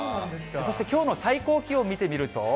そしてきょうの最高気温見てみると。